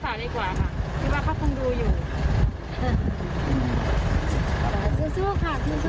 ครับจริงครับป้าแตนครับ